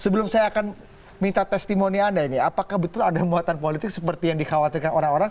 sebelum saya akan minta testimoni anda ini apakah betul ada muatan politik seperti yang dikhawatirkan orang orang